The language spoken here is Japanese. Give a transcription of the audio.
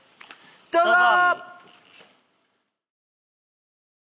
どうぞ！